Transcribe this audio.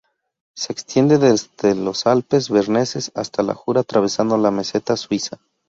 Se extiende desde los Alpes berneses hasta el Jura atravesando la meseta suiza.